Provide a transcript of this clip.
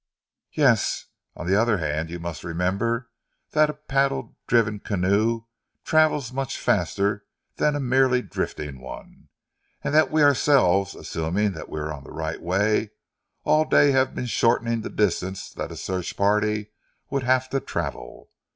"Yes. On the other hand you must remember that a paddle driven canoe travels much faster than a merely drifting one; and that we ourselves, assuming that we are on the right way, all day have been shortening the distance that a search party would have to travel.